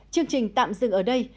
chương trình tạm dừng ở đây